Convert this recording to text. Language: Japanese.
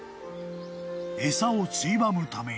［餌をついばむために］